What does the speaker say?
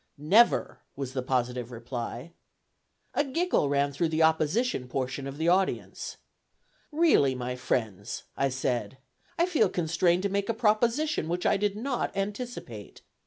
"Never!" was the positive reply. A giggle ran through the opposition portion of the audience. "Really, my friends," I said, "I feel constrained to make a proposition which I did not anticipate.